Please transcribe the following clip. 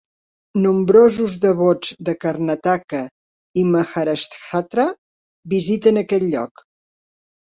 Nombrosos devots de Karnataka i Maharashtra visiten aquest lloc.